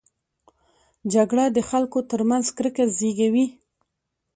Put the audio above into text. جګړه د خلکو ترمنځ کرکه زېږوي